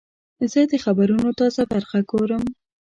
زه د خبرونو تازه برخه ګورم.